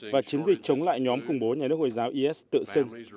và chiến dịch chống lại nhóm khủng bố nhà nước hồi giáo is tựa sinh